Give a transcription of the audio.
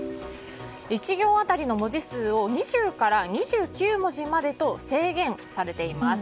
１行当たりの文字数を２０から２９文字までと制限されています。